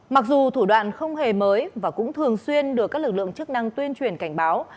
mặc dù thủ đoạn không hề mới và cũng thường xuyên được các lực lượng chức năng tuyên truyền cảnh báo